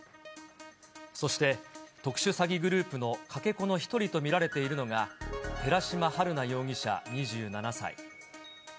そして、特殊詐欺グループのかけ子の１人と見られているのが、寺島春奈容疑者２７歳。